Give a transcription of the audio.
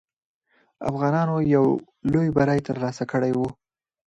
افغانانو یو لوی بری ترلاسه کړی وو.